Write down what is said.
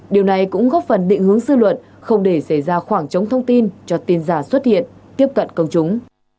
điều này cũng góp phần định hướng sư luận không để xảy ra khoảng trống thông tin cho tin giả xuất hiện tiếp cận công chúng